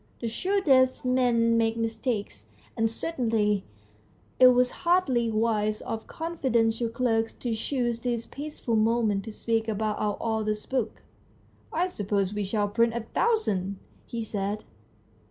The shrewdest men make mistakes, and certainly it was hardly wise of the confiden tial clerk to choose this peaceful moment to speak about our author's book. "I suppose we shall print a thousand ?" he said.